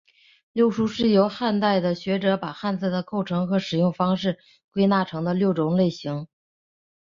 六书是由汉代的学者把汉字的构成和使用方式归纳成的六种类型。